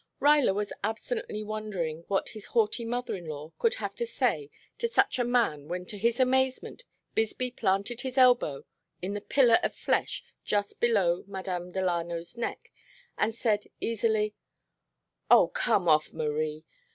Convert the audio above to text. Ruyler was absently wondering what his haughty mother in law could have to say to such a man when to his amazement Bisbee planted his elbow in the pillow of flesh just below Madame Delano's neck, and said easily: "Oh, come off, Marie.